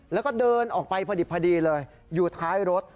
แล้วก็เดินออกไปพอดีเลยอยู่ท้ายรถ